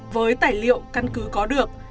với tài liệu căn cứ có được